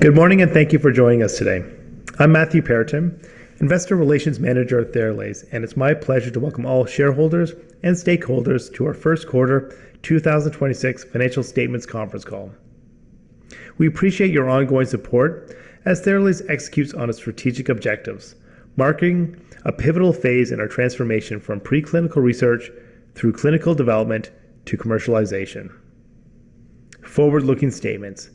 Good morning, thank you for joining us today. I'm Matthew Perraton, Investor Relations Manager at Theralase, it's my pleasure to welcome all shareholders and stakeholders to our First Quarter 2026 Financial Statements Conference Call. We appreciate your ongoing support as Theralase executes on its strategic objectives, marking a pivotal phase in our transformation from preclinical research through clinical development to commercialization. Forward-looking statements.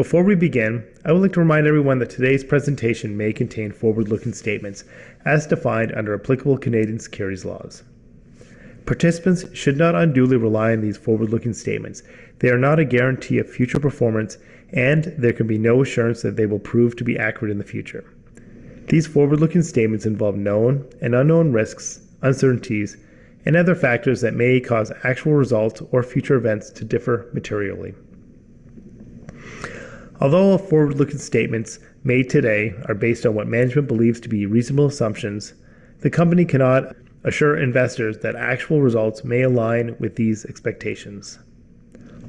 Before we begin, I would like to remind everyone that today's presentation may contain forward-looking statements as defined under applicable Canadian securities laws. Participants should not unduly rely on these forward-looking statements. They are not a guarantee of future performance, there can be no assurance that they will prove to be accurate in the future. These forward-looking statements involve known and unknown risks, uncertainties, and other factors that may cause actual results or future events to differ materially. Although all forward-looking statements made today are based on what management believes to be reasonable assumptions, the company cannot assure investors that actual results may align with these expectations.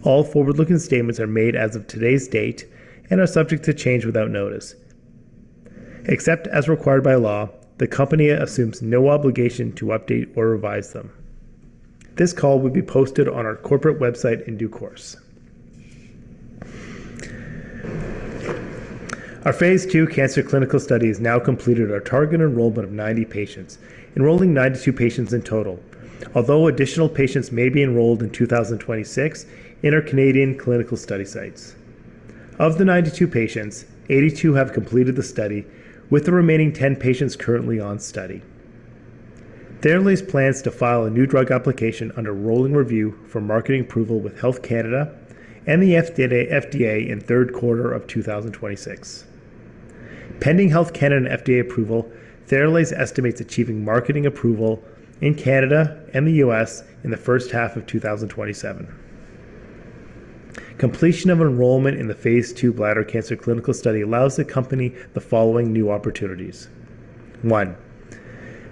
All forward-looking statements are made as of today's date are subject to change without notice. Except as required by law, the company assumes no obligation to update or revise them. This call will be posted on our corporate website in due course. Our phase II cancer clinical study has now completed our target enrollment of 90 patients, enrolling 92 patients in total. Although additional patients may be enrolled in 2026 in our Canadian clinical study sites. Of the 92 patients, 82 have completed the study, with the remaining 10 patients currently on study. Theralase plans to file a new drug application under rolling review for marketing approval with Health Canada and the FDA in third quarter of 2026. Pending Health Canada and FDA approval, Theralase estimates achieving marketing approval in Canada and the U.S. in the first half of 2027. Completion of enrollment in the phase II bladder cancer clinical study allows the company the following new opportunities. One,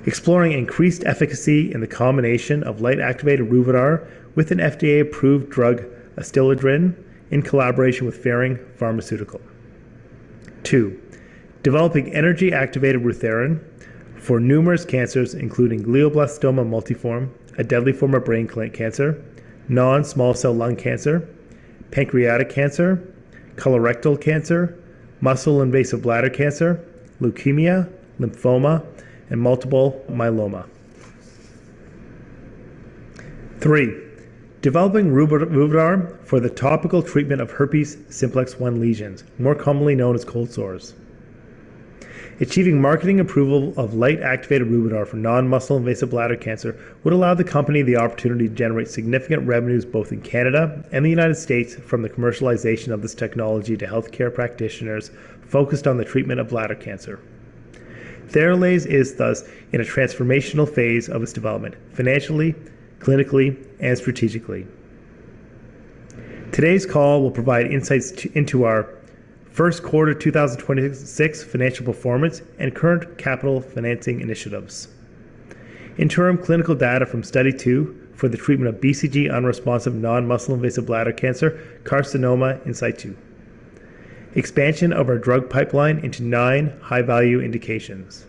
exploring increased efficacy in the combination of light-activated Ruvidar with an FDA-approved drug, ADSTILADRIN, in collaboration with Ferring Pharmaceuticals. Two, developing energy-activated Rutherrin for numerous cancers, including glioblastoma multiforme, a deadly form of brain cancer, non-small cell lung cancer, pancreatic cancer, colorectal cancer, muscle-invasive bladder cancer, leukemia, lymphoma, and multiple myeloma. Three, developing Ruvidar for the topical treatment of herpes simplex 1 lesions, more commonly known as cold sores. Achieving marketing approval of light-activated Ruvidar for non-muscle invasive bladder cancer would allow the company the opportunity to generate significant revenues both in Canada and the United States from the commercialization of this technology to healthcare practitioners focused on the treatment of bladder cancer. Theralase is thus in a transformational phase of its development financially, clinically, and strategically. Today's call will provide insights into our first quarter 2026 financial performance and current capital financing initiatives. Interim clinical data from Study II for the treatment of BCG-unresponsive, non-muscle invasive bladder cancer carcinoma in situ. Expansion of our drug pipeline into nine high-value indications.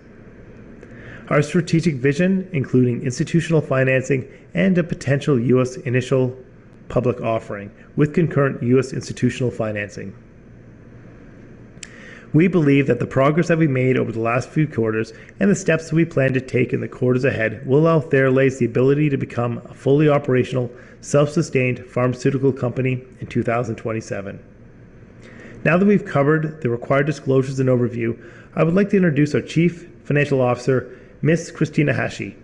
Our strategic vision, including institutional financing and a potential U.S. initial public offering with concurrent U.S. institutional financing. We believe that the progress that we've made over the last few quarters and the steps that we plan to take in the quarters ahead will allow Theralase the ability to become a fully operational, self-sustained pharmaceutical company in 2027. Now that we've covered the required disclosures and overview, I would like to introduce our Chief Financial Officer, Ms. Kristina Hachey.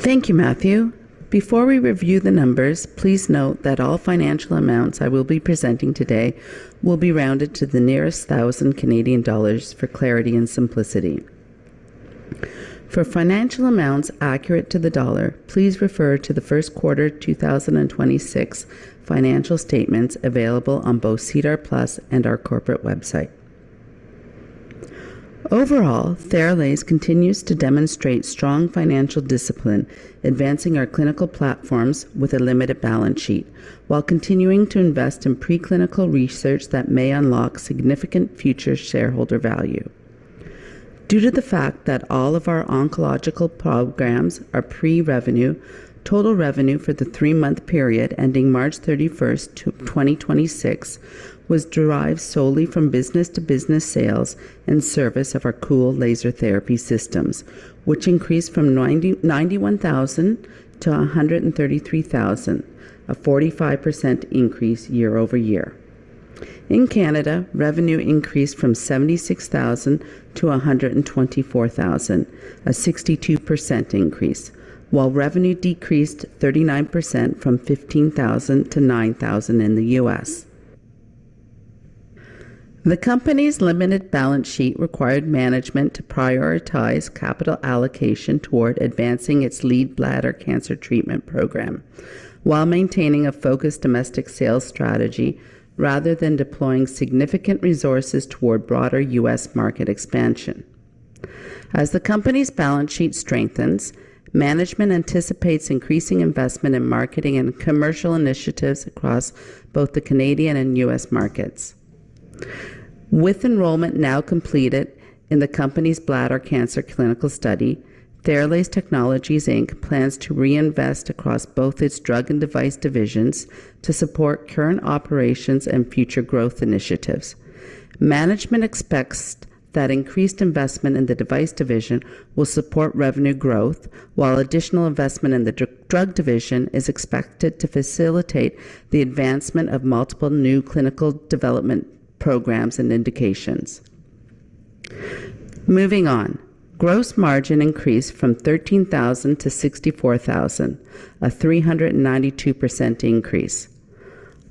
Thank you, Matthew. Before we review the numbers, please note that all financial amounts I will be presenting today will be rounded to the nearest thousand Canadian dollars for clarity and simplicity. For financial amounts accurate to the dollar, please refer to the first quarter 2026 financial statements available on both SEDAR+ and our corporate website. Overall, Theralase continues to demonstrate strong financial discipline, advancing our clinical platforms with a limited balance sheet while continuing to invest in preclinical research that may unlock significant future shareholder value. Due to the fact that all of our oncological programs are pre-revenue, total revenue for the three-month period ending March 31st, 2026 was derived solely from business-to-business sales and service of our Cool Laser Therapy systems, which increased from 91,000-133,000, a 45% increase year-over-year. In Canada, revenue increased from 76,000-124,000, a 62% increase, while revenue decreased 39% from 15,000-9,000 in the U.S. The company's limited balance sheet required management to prioritize capital allocation toward advancing its lead bladder cancer treatment program while maintaining a focused domestic sales strategy rather than deploying significant resources toward broader U.S. market expansion. As the company's balance sheet strengthens, management anticipates increasing investment in marketing and commercial initiatives across both the Canadian and U.S. markets. With enrollment now completed in the company's bladder cancer clinical study, Theralase Technologies Inc. plans to reinvest across both its drug and device divisions to support current operations and future growth initiatives. Management expects that increased investment in the device division will support revenue growth, while additional investment in the drug division is expected to facilitate the advancement of multiple new clinical development programs and indications. Moving on. Gross margin increased from 13,000-64,000, a 392% increase.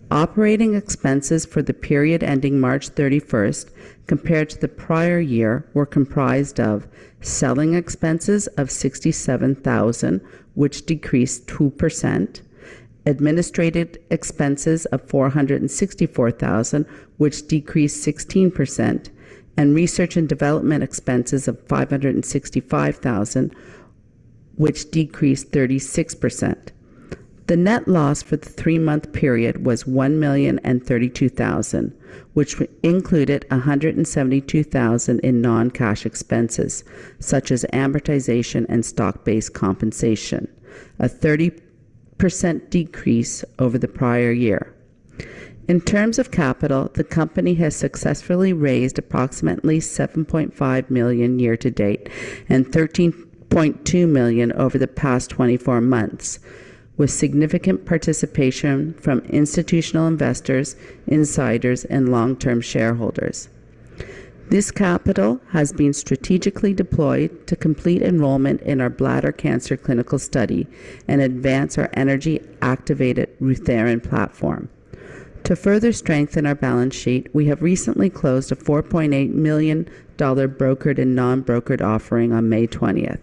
Operating expenses for the period ending March 31st compared to the prior year were comprised of selling expenses of 67,000, which decreased 2%, administrative expenses of 464,000, which decreased 16%, and research and development expenses of 565,000, which decreased 36%. The net loss for the three-month period was 1,032,000, which included 172,000 in non-cash expenses such as amortization and stock-based compensation, a 30% decrease over the prior year. In terms of capital, the company has successfully raised approximately 7.5 million year-to-date and 13.2 million over the past 24 months, with significant participation from institutional investors, insiders, and long-term shareholders. This capital has been strategically deployed to complete enrollment in our bladder cancer clinical study and advance our energy-activated Rutherrin platform. To further strengthen our balance sheet, we have recently closed a 4.8 million dollar brokered and non-brokered offering on May 20th.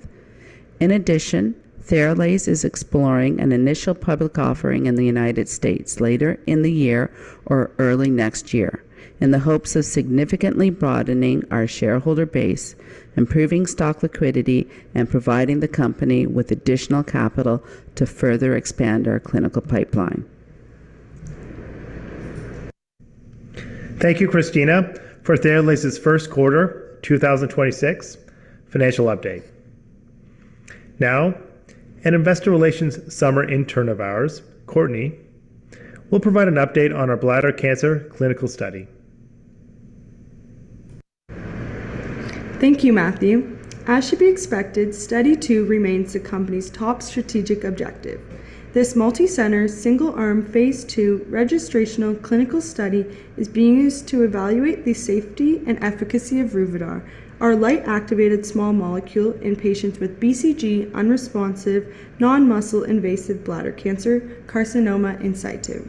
In addition, Theralase is exploring an initial public offering in the United States later in the year or early next year in the hopes of significantly broadening our shareholder base, improving stock liquidity, and providing the company with additional capital to further expand our clinical pipeline. Thank you, Kristina, for Theralase's first quarter 2026 financial update. Now, an Investor Relations Summer Intern of ours, Courtney, will provide an update on our bladder cancer clinical study. Thank you, Matthew. As should be expected, Study II remains the company's top strategic objective. This multi-center, single-arm, phase II registrational clinical study is being used to evaluate the safety and efficacy of Ruvidar, our light-activated small molecule in patients with BCG unresponsive, non-muscle invasive bladder cancer carcinoma in situ.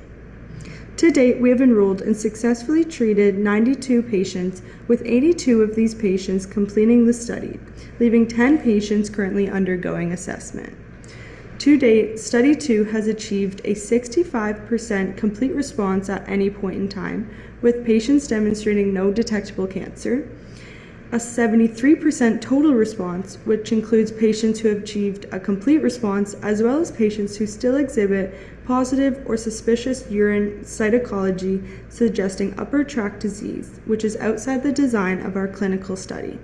To date, we have enrolled and successfully treated 92 patients, with 82 of these patients completing the study, leaving 10 patients currently undergoing assessment. To date, Study II has achieved a 65% complete response at any point in time, with patients demonstrating no detectable cancer, a 73% total response, which includes patients who have achieved a complete response, as well as patients who still exhibit positive or suspicious urine cytology suggesting upper tract disease, which is outside the design of our clinical study.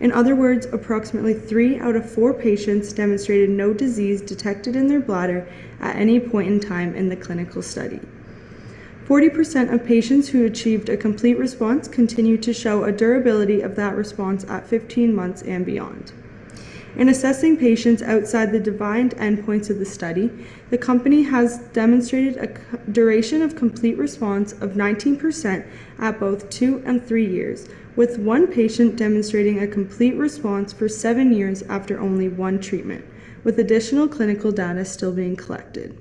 In other words, approximately three out of four patients demonstrated no disease detected in their bladder at any point in time in the clinical study. 40% of patients who achieved a complete response continued to show a durability of that response at 15 months and beyond. In assessing patients outside the defined endpoints of the study, the company has demonstrated a duration of complete response of 19% at both two and three years, with one patient demonstrating a complete response for seven years after only one treatment, with additional clinical data still being collected.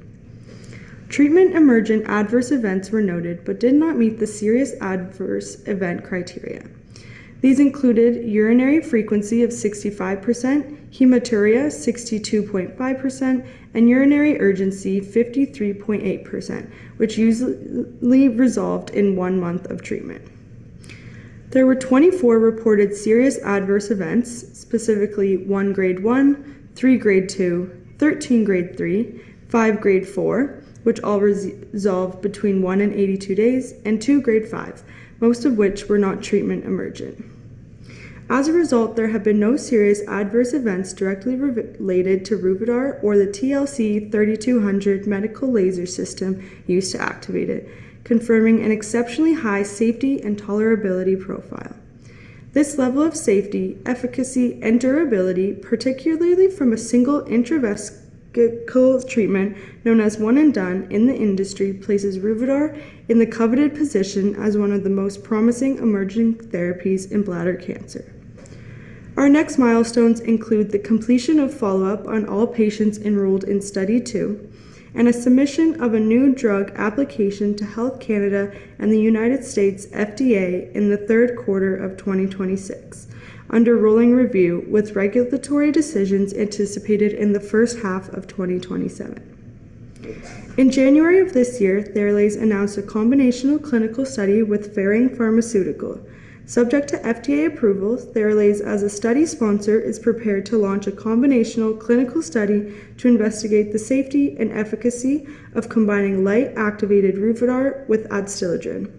Treatment emergent adverse events were noted but did not meet the serious adverse event criteria. These included urinary frequency of 65%, hematuria 62.5%, and urinary urgency 53.8%, which usually resolved in one month of treatment. There were 24 reported serious adverse events, specifically one Grade 1, three Grade 2, 13 Grade 3, five Grade 4, which all resolved between one and 82 days, and two Grade 5, most of which were not treatment emergent. As a result, there have been no serious adverse events directly related to Ruvidar or the TLC-3200 medical laser system used to activate it, confirming an exceptionally high safety and tolerability profile. This level of safety, efficacy, and durability, particularly from a single intravesical treatment known as one and done in the industry, places Ruvidar in the coveted position as one of the most promising emerging therapies in bladder cancer. Our next milestones include the completion of follow-up on all patients enrolled in Study II and a submission of a new drug application to Health Canada and the United States FDA in the third quarter of 2026 under rolling review, with regulatory decisions anticipated in the first half of 2027. In January of this year, Theralase announced a combinational clinical study with Ferring Pharmaceuticals. Subject to FDA approval, Theralase, as a study sponsor, is prepared to launch a combinational clinical study to investigate the safety and efficacy of combining light-activated Ruvidar with ADSTILADRIN.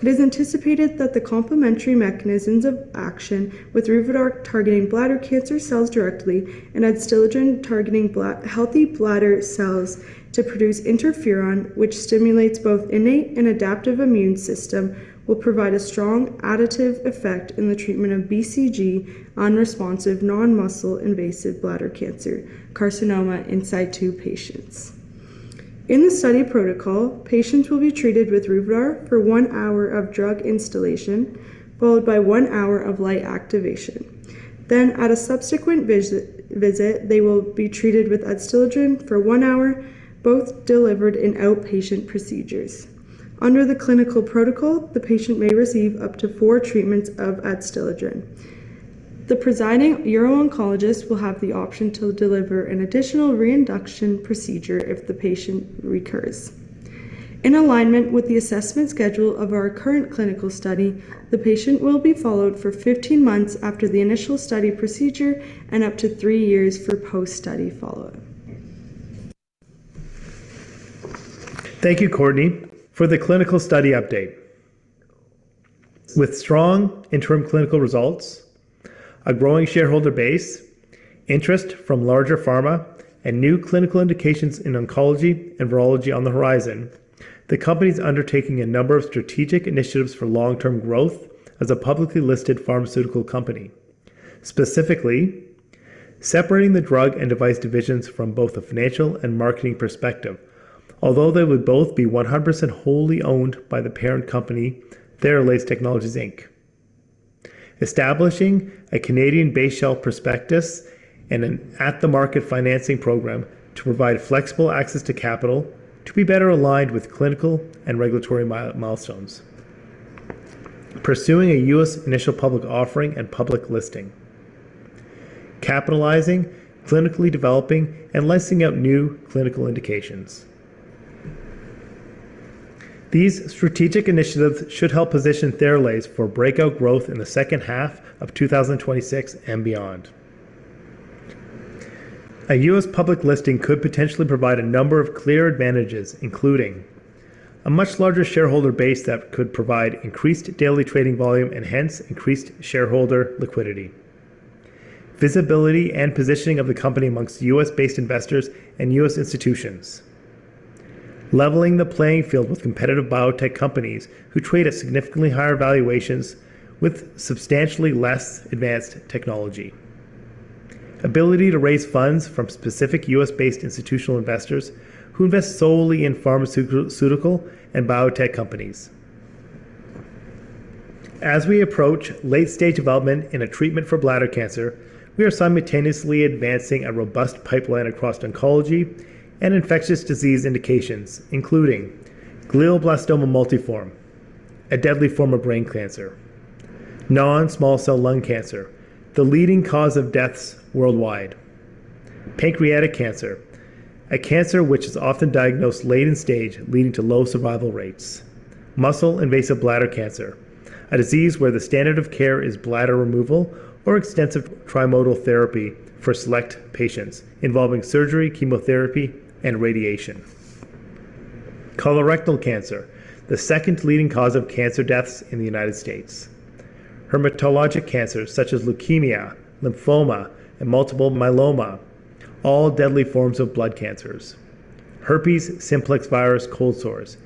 It is anticipated that the complementary mechanisms of action with Ruvidar targeting bladder cancer cells directly, and ADSTILADRIN targeting healthy bladder cells to produce interferon, which stimulates both innate and adaptive immune system, will provide a strong additive effect in the treatment of BCG unresponsive non-muscle invasive bladder cancer carcinoma in situ patients. In the study protocol, patients will be treated with Ruvidar for one hour of drug installation, followed by one hour of light activation. At a subsequent visit, they will be treated with ADSTILADRIN for one hour, both delivered in outpatient procedures. Under the clinical protocol, the patient may receive up to four treatments of ADSTILADRIN. The presiding uro-oncologist will have the option to deliver an additional reinduction procedure if the patient recurs. In alignment with the assessment schedule of our current clinical study, the patient will be followed for 15 months after the initial study procedure, and up to three years for post-study follow-up. Thank you, Courtney, for the clinical study update. With strong interim clinical results, a growing shareholder base, interest from larger pharma, and new clinical indications in oncology and virology on the horizon, the company's undertaking a number of strategic initiatives for long-term growth as a publicly listed pharmaceutical company. Specifically, separating the drug and device divisions from both a financial and marketing perspective, although they would both be 100% wholly owned by the parent company, Theralase Technologies Inc. Establishing a Canadian-based shelf prospectus and an at-the-market financing program to provide flexible access to capital to be better aligned with clinical and regulatory milestones. Pursuing a U.S. initial public offering and public listing. Capitalizing, clinically developing, and licensing out new clinical indications. These strategic initiatives should help position Theralase for breakout growth in the second half of 2026 and beyond. A U.S. public listing could potentially provide a number of clear advantages, including a much larger shareholder base that could provide increased daily trading volume and hence increased shareholder liquidity, visibility and positioning of the company amongst U.S.-based investors and U.S. institutions, leveling the playing field with competitive biotech companies who trade at significantly higher valuations with substantially less advanced technology, ability to raise funds from specific U.S.-based institutional investors who invest solely in pharmaceutical and biotech companies. As we approach late-stage development in a treatment for bladder cancer, we are simultaneously advancing a robust pipeline across oncology and infectious disease indications, including glioblastoma multiforme, a deadly form of brain cancer. Non-small cell lung cancer, the leading cause of deaths worldwide. Pancreatic cancer, a cancer which is often diagnosed late in stage, leading to low survival rates. Muscle-invasive bladder cancer, a disease where the standard of care is bladder removal or extensive trimodal therapy for select patients, involving surgery, chemotherapy, and radiation. Colorectal cancer, the second leading cause of cancer deaths in the United States. Hematologic cancers such as leukemia, lymphoma, and multiple myeloma, all deadly forms of blood cancers. Herpes simplex virus cold sores,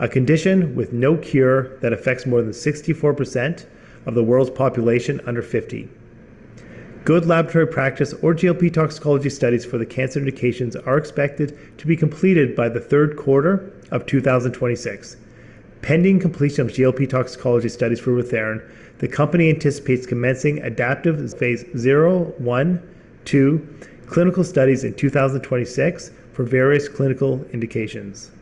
a condition with no cure that affects more than 64% of the world's population under 50. Good laboratory practice or GLP toxicology studies for the cancer indications are expected to be completed by the third quarter of 2026. Pending completion of GLP toxicology studies for Rutherrin, the company anticipates commencing adaptive phase 0/I/II clinical studies in 2026 for various clinical indications.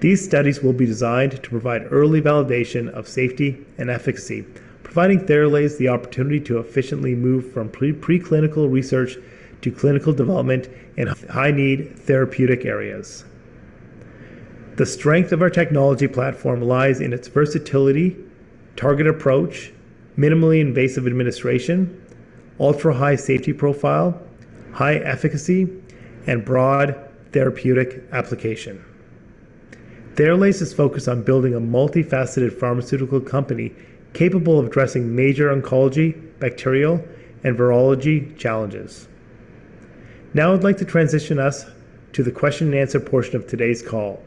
These studies will be designed to provide early validation of safety and efficacy, providing Theralase the opportunity to efficiently move from pre-clinical research to clinical development in high-need therapeutic areas. The strength of our technology platform lies in its versatility, target approach, minimally invasive administration, ultra-high safety profile, high efficacy, and broad therapeutic application. Theralase is focused on building a multifaceted pharmaceutical company capable of addressing major oncology, bacterial, and virology challenges. Now I'd like to transition us to the question and answer portion of today's call.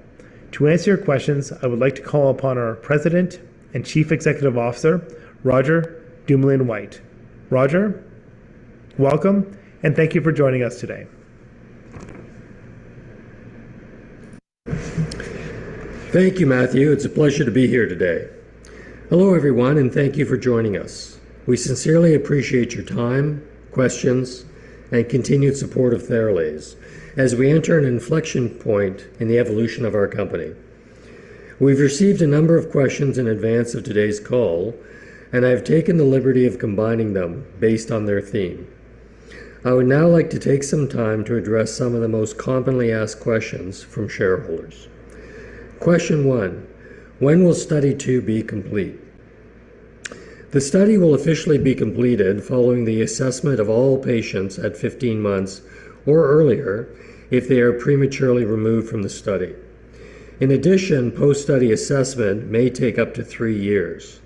To answer your questions, I would like to call upon our President and Chief Executive Officer, Roger DuMoulin-White. Roger, welcome, and thank you for joining us today. Thank you, Matthew. It's a pleasure to be here today. Hello, everyone, and thank you for joining us. We sincerely appreciate your time, questions, and continued support of Theralase as we enter an inflection point in the evolution of our company. We've received a number of questions in advance of today's call, and I've taken the liberty of combining them based on their theme. I would now like to take some time to address some of the most commonly asked questions from shareholders. Question one, when will Study II be complete? The study will officially be completed following the assessment of all patients at 15 months or earlier if they are prematurely removed from the study. In addition, post-study assessment may take up to three years.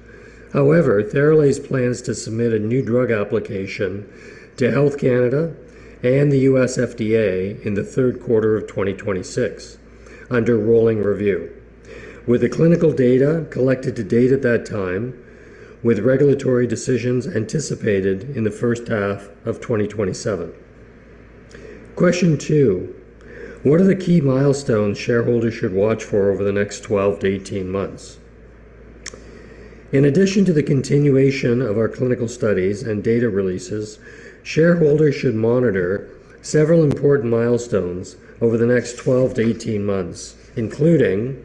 However, Theralase plans to submit a new drug application to Health Canada and the U.S. FDA in the third quarter of 2026 under rolling review. With the clinical data collected to date at that time, with regulatory decisions anticipated in the first half of 2027. Question two, what are the key milestones shareholders should watch for over the next 12-18 months? In addition to the continuation of our clinical studies and data releases, shareholders should monitor several important milestones over the next 12-18 months, including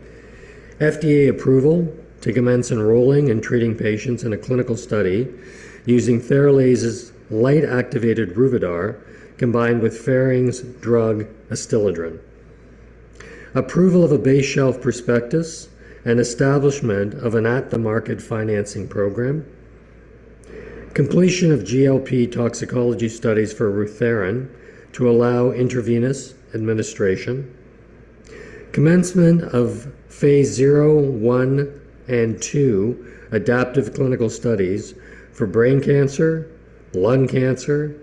FDA approval to commence enrolling and treating patients in a clinical study using Theralase's light-activated Ruvidar combined with Ferring's drug, ADSTILADRIN. Approval of a base shelf prospectus and establishment of an at-the-market financing program. Completion of GLP toxicology studies for Rutherrin to allow intravenous administration. Commencement of phase 0, I, and II adaptive clinical studies for brain cancer, lung cancer,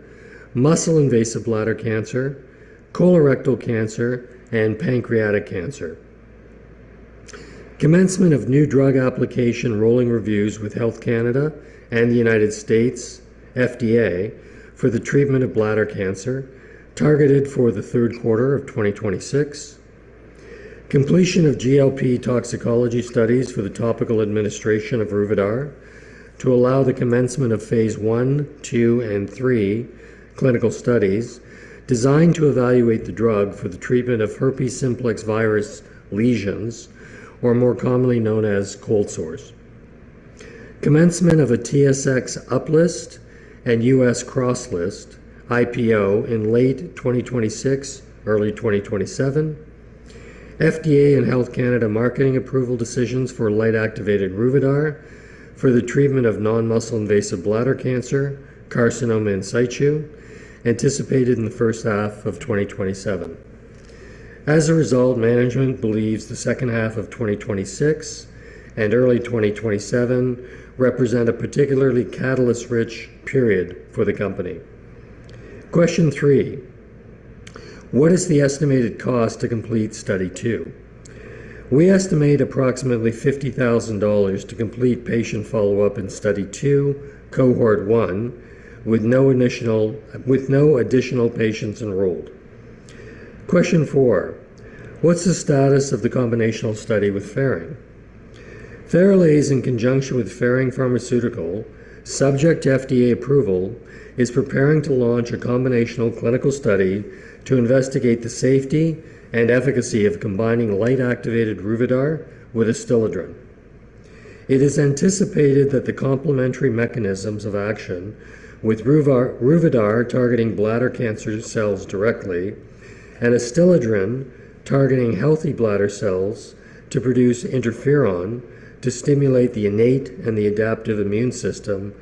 muscle-invasive bladder cancer, colorectal cancer, and pancreatic cancer. Commencement of new drug application rolling reviews with Health Canada and the U.S. FDA for the treatment of bladder cancer, targeted for the third quarter of 2026. Completion of GLP toxicology studies for the topical administration of Ruvidar to allow the commencement of phase I, II, and III clinical studies designed to evaluate the drug for the treatment of herpes simplex virus lesions, or more commonly known as cold sores. Commencement of a TSX uplist and U.S. cross-list IPO in late 2026, early 2027. FDA and Health Canada marketing approval decisions for light-activated Ruvidar for the treatment of non-muscle invasive bladder cancer carcinoma in situ, anticipated in the first half of 2027. As a result, management believes the second half of 2026 and early 2027 represent a particularly catalyst-rich period for the company. Question three, what is the estimated cost to complete Study II? We estimate approximately 50,000 dollars to complete patient follow-up in Study II, Cohort 1 with no additional patients enrolled. Question four, what's the status of the combinational study with Ferring? Theralase, in conjunction with Ferring Pharmaceuticals, subject to FDA approval, is preparing to launch a combinational clinical study to investigate the safety and efficacy of combining light-activated Ruvidar with ADSTILADRIN. It is anticipated that the complementary mechanisms of action with Ruvidar targeting bladder cancer cells directly and ADSTILADRIN targeting healthy bladder cells to produce interferon to stimulate the innate and the adaptive immune system,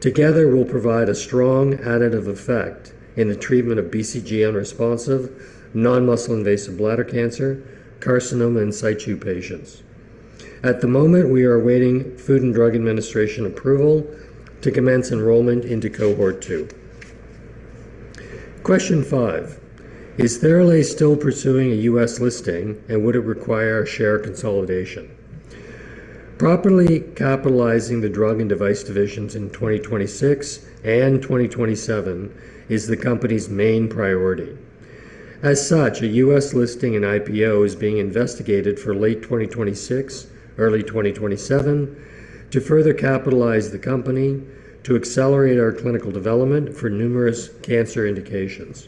together will provide a strong additive effect in the treatment of BCG unresponsive, non-muscle invasive bladder cancer carcinoma in situ patients. At the moment, we are awaiting Food and Drug Administration approval to commence enrollment into Cohort 2. Question five, is Theralase still pursuing a U.S. listing, and would it require a share consolidation? Properly capitalizing the drug and device divisions in 2026 and 2027 is the company's main priority. As such, a U.S. listing and IPO is being investigated for late 2026, early 2027 to further capitalize the company to accelerate our clinical development for numerous cancer indications.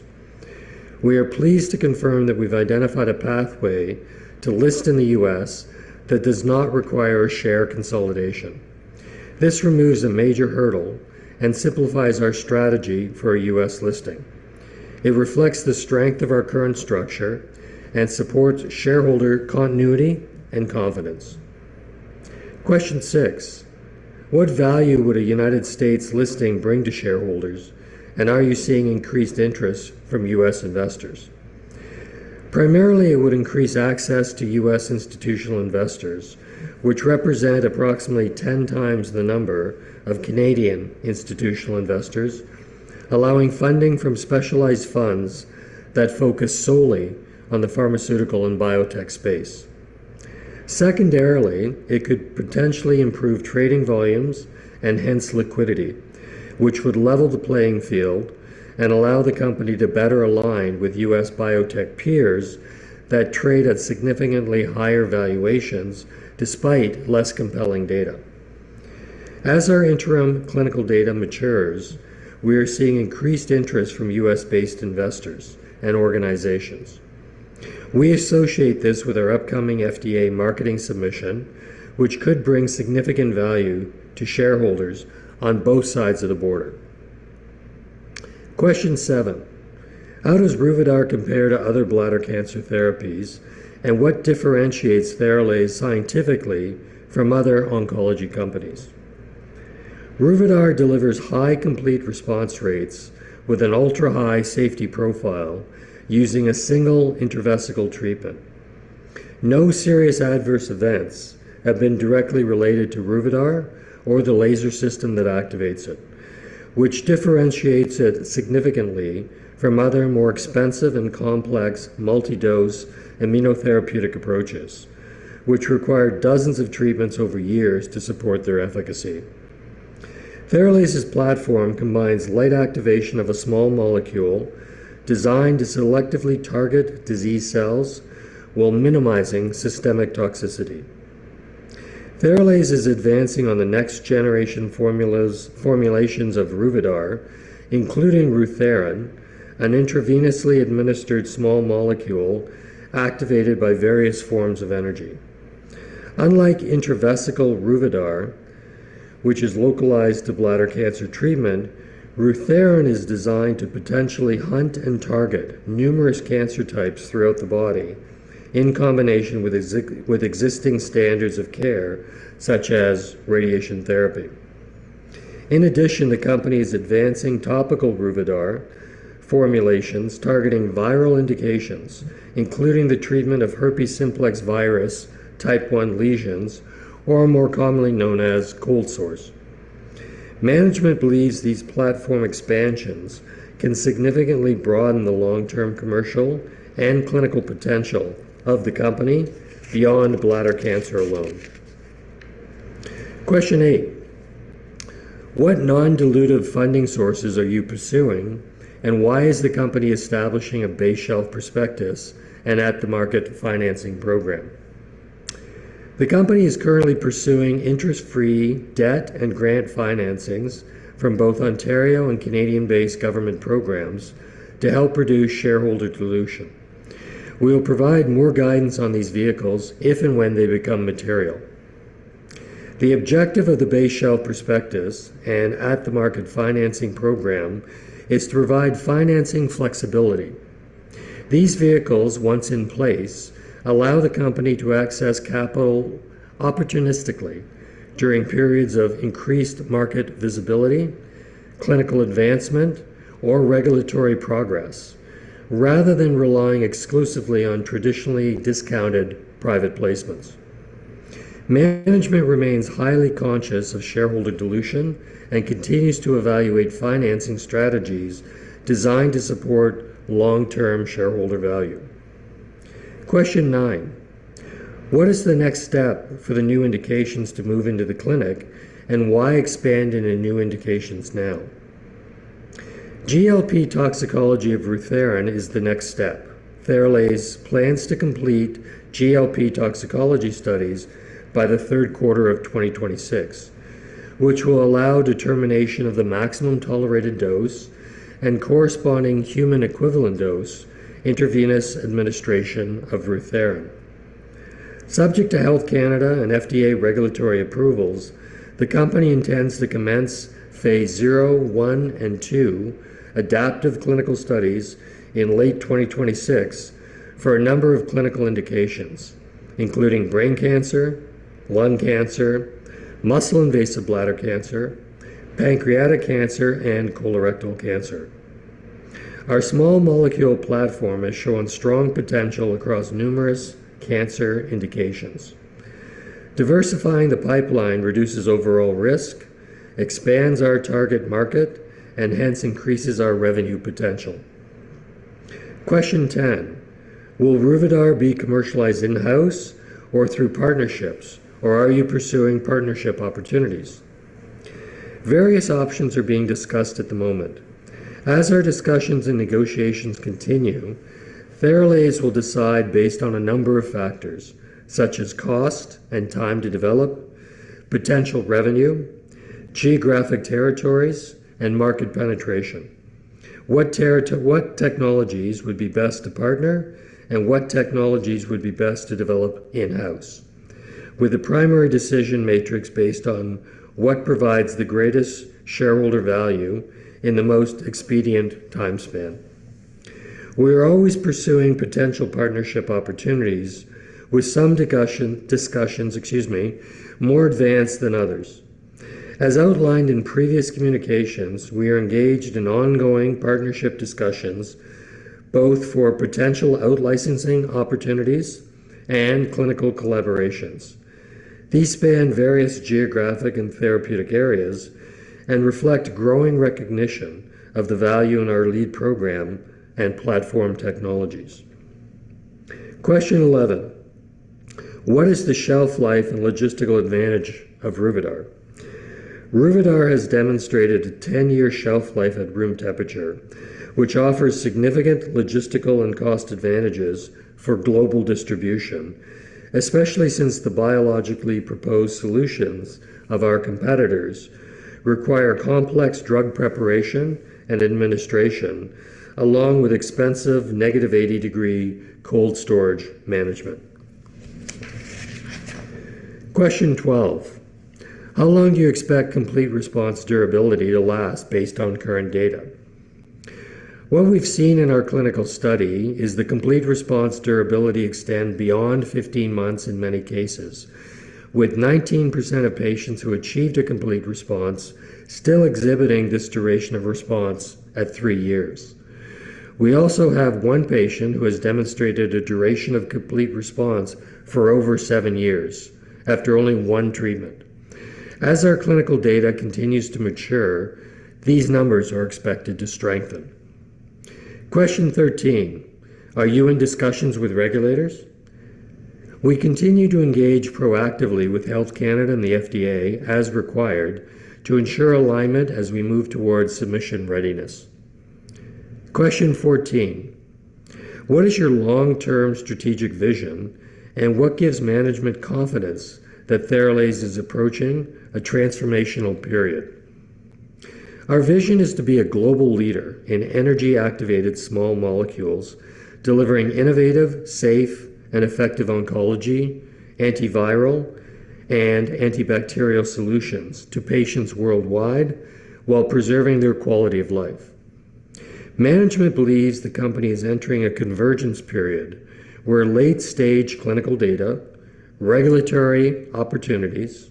We are pleased to confirm that we've identified a pathway to list in the U.S. that does not require a share consolidation. This removes a major hurdle and simplifies our strategy for a U.S. listing. It reflects the strength of our current structure and supports shareholder continuity and confidence. Question six, what value would a U.S. listing bring to shareholders, and are you seeing increased interest from U.S. investors? Primarily, it would increase access to U.S. institutional investors, which represent approximately 10 times the number of Canadian institutional investors, allowing funding from specialized funds that focus solely on the pharmaceutical and biotech space. Secondarily, it could potentially improve trading volumes and hence liquidity, which would level the playing field and allow the company to better align with U.S. biotech peers that trade at significantly higher valuations despite less compelling data. As our interim clinical data matures, we are seeing increased interest from U.S.-based investors and organizations. We associate this with our upcoming FDA marketing submission, which could bring significant value to shareholders on both sides of the border. Question seven. How does Ruvidar compare to other bladder cancer therapies, and what differentiates Theralase scientifically from other oncology companies? Ruvidar delivers high complete response rates with an ultra-high safety profile using a single intravesical treatment. No serious adverse events have been directly related to Ruvidar or the laser system that activates it, which differentiates it significantly from other more expensive and complex multi-dose immunotherapeutic approaches, which require dozens of treatments over years to support their efficacy. Theralase's platform combines light activation of a small molecule designed to selectively target disease cells while minimizing systemic toxicity. Theralase is advancing on the next generation formulations of Ruvidar, including Rutherrin, an intravenously administered small molecule activated by various forms of energy. Unlike intravesical Ruvidar, which is localized to bladder cancer treatment, Rutherrin is designed to potentially hunt and target numerous cancer types throughout the body in combination with existing standards of care, such as radiation therapy. In addition, the company is advancing topical Ruvidar formulations targeting viral indications, including the treatment of herpes simplex virus type 1 lesions, or more commonly known as cold sores. Management believes these platform expansions can significantly broaden the long-term commercial and clinical potential of the company beyond bladder cancer alone. Question eight. What non-dilutive funding sources are you pursuing, and why is the company establishing a base shelf prospectus and at-the-market financing program? The company is currently pursuing interest-free debt and grant financings from both Ontario and Canadian-based government programs to help reduce shareholder dilution. We will provide more guidance on these vehicles if and when they become material. The objective of the base shelf prospectus and at-the-market financing program is to provide financing flexibility. These vehicles, once in place, allow the company to access capital opportunistically during periods of increased market visibility, clinical advancement, or regulatory progress, rather than relying exclusively on traditionally discounted private placements. Management remains highly conscious of shareholder dilution and continues to evaluate financing strategies designed to support long-term shareholder value. Question nine. What is the next step for the new indications to move into the clinic, and why expand into new indications now? GLP toxicology of Rutherrin is the next step. Theralase plans to complete GLP toxicology studies by the third quarter of 2026, which will allow determination of the maximum tolerated dose and corresponding human equivalent dose intravenous administration of Rutherrin. Subject to Health Canada and FDA regulatory approvals, the company intends to commence phase 0, I, and II adaptive clinical studies in late 2026 for a number of clinical indications, including brain cancer, lung cancer, muscle-invasive bladder cancer, pancreatic cancer, and colorectal cancer. Our small molecule platform has shown strong potential across numerous cancer indications. Diversifying the pipeline reduces overall risk, expands our target market, and hence increases our revenue potential. Question 10. Will Ruvidar be commercialized in-house or through partnerships, or are you pursuing partnership opportunities? Various options are being discussed at the moment. As our discussions and negotiations continue, Theralase will decide based on a number of factors such as cost and time to develop, potential revenue, geographic territories, and market penetration, what technologies would be best to partner, and what technologies would be best to develop in-house, with a primary decision matrix based on what provides the greatest shareholder value in the most expedient time span. We are always pursuing potential partnership opportunities with some discussions, excuse me, more advanced than others. As outlined in previous communications, we are engaged in ongoing partnership discussions both for potential out-licensing opportunities and clinical collaborations. These span various geographic and therapeutic areas and reflect growing recognition of the value in our lead program and platform technologies. Question 11. What is the shelf life and logistical advantage of Ruvidar? Ruvidar has demonstrated a 10-year shelf life at room temperature, which offers significant logistical and cost advantages for global distribution, especially since the biologically proposed solutions of our competitors require complex drug preparation and administration, along with expensive -80 degree cold storage management. Question 12. How long do you expect complete response durability to last based on current data? What we've seen in our clinical study is the complete response durability extend beyond 15 months in many cases, with 19% of patients who achieved a complete response still exhibiting this duration of response at three years. We also have one patient who has demonstrated a duration of complete response for over seven years after only one treatment. As our clinical data continues to mature, these numbers are expected to strengthen. Question 13. Are you in discussions with regulators? We continue to engage proactively with Health Canada and the FDA as required to ensure alignment as we move towards submission readiness. Question 14. What is your long-term strategic vision, and what gives management confidence that Theralase is approaching a transformational period? Our vision is to be a global leader in energy-activated small molecules, delivering innovative, safe, and effective oncology, antiviral, and antibacterial solutions to patients worldwide while preserving their quality of life. Management believes the company is entering a convergence period where late-stage clinical data, regulatory opportunities,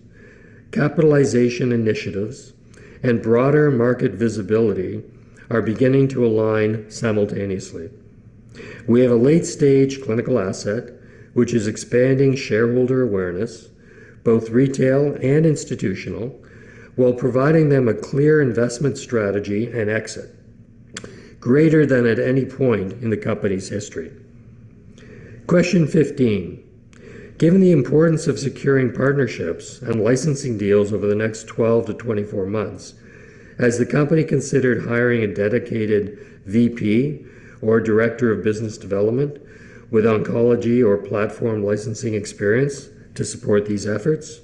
capitalization initiatives, and broader market visibility are beginning to align simultaneously. We have a late-stage clinical asset, which is expanding shareholder awareness, both retail and institutional, while providing them a clear investment strategy and exit greater than at any point in the company's history. Question 15. Given the importance of securing partnerships and licensing deals over the next 12-24 months, has the company considered hiring a dedicated VP or director of business development with oncology or platform licensing experience to support these efforts?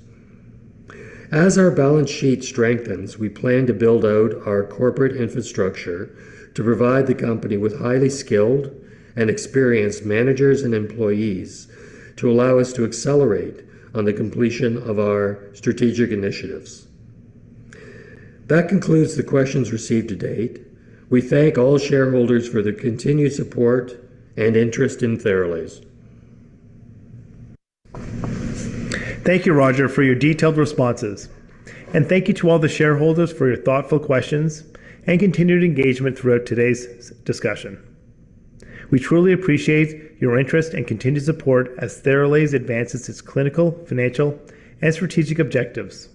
As our balance sheet strengthens, we plan to build out our corporate infrastructure to provide the company with highly skilled and experienced managers and employees to allow us to accelerate on the completion of our strategic initiatives. That concludes the questions received to date. We thank all shareholders for their continued support and interest in Theralase. Thank you, Roger, for your detailed responses, and thank you to all the shareholders for your thoughtful questions and continued engagement throughout today's discussion. We truly appreciate your interest and continued support as Theralase advances its clinical, financial, and strategic objectives.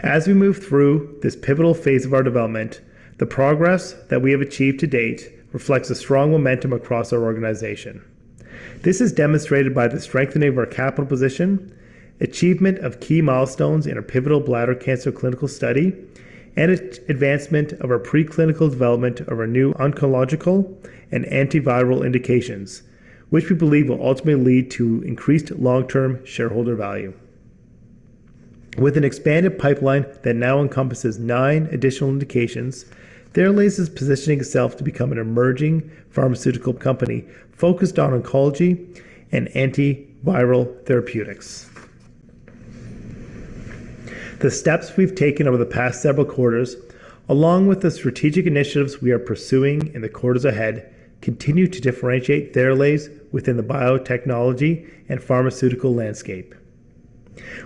As we move through this pivotal phase of our development, the progress that we have achieved to date reflects a strong momentum across our organization. This is demonstrated by the strengthening of our capital position, achievement of key milestones in our pivotal bladder cancer clinical study, and advancement of our preclinical development of our new oncological and antiviral indications, which we believe will ultimately lead to increased long-term shareholder value. With an expanded pipeline that now encompasses nine additional indications, Theralase is positioning itself to become an emerging pharmaceutical company focused on oncology and antiviral therapeutics. The steps we've taken over the past several quarters, along with the strategic initiatives we are pursuing in the quarters ahead, continue to differentiate Theralase within the biotechnology and pharmaceutical landscape.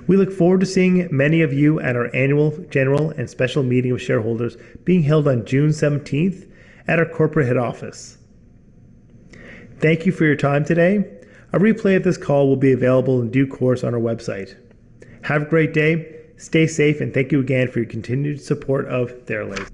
We look forward to seeing many of you at our annual general and special meeting with shareholders being held on June 17th at our corporate head office. Thank you for your time today. A replay of this call will be available in due course on our website. Have a great day. Stay safe, and thank you again for your continued support of Theralase.